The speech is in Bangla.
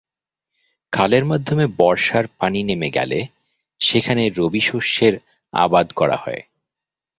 খালের মাধ্যমে বর্ষার পানি নেমে গেলে সেখানে রবিশষ্যের আবাদ করা হয়।